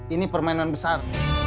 ini permainan besar